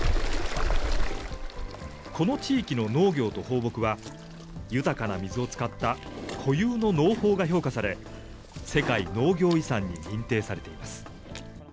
この地域の農業と放牧は、豊かな水を使った固有の農法が評価され、世界農業遺産に認定されています。